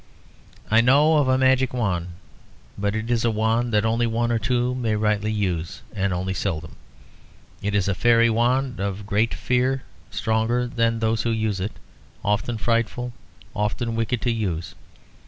"I know of a magic wand, but it is a wand that only one or two may rightly use, and only seldom. It is a fairy wand of great fear, stronger than those who use it often frightful, often wicked to use.